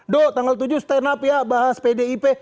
dok tanggal tujuh stand up ya bahas pdip